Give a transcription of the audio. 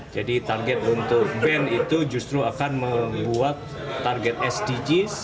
jadi target untuk ban itu justru akan membuat target sdgs